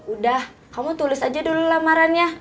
udah kamu tulis aja dulu lamarannya